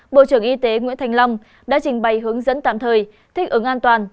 bộ trưởng y tế nguyễn thành long đã trình bày hướng dẫn tạm thời thích ứng an toàn